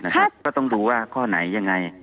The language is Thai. ก็ต้องดูว่าข้อไหนยังไง